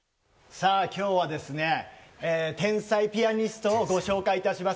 さぁ、今日はですね、天才ピアニストをご紹介いたします。